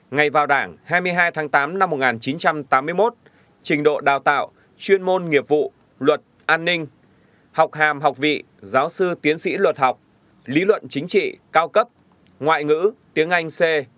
ngày vào đảng hai mươi hai tháng tám năm một nghìn chín trăm tám mươi một trình độ đào tạo chuyên môn nghiệp vụ luật an ninh học hàm học vị giáo sư tiến sĩ luật học lý luận chính trị cao cấp ngoại ngữ tiếng anh c